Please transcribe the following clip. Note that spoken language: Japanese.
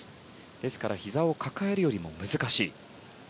ですからひざを抱えるよりも難しい。